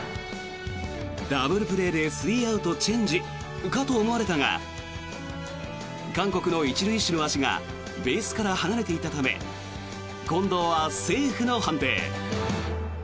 ダブルプレーで３アウトチェンジかと思われたが韓国の１塁手の足がベースから離れていたため近藤はセーフの判定。